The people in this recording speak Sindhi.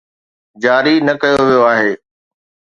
جاري نه ڪيو ويو آهي.